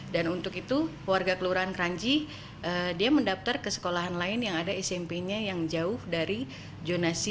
dan untuk itu warga keluaran kranji dia mendaftar ke sekolahan lain yang ada smp nya yang jauh dari jonasi rumahnya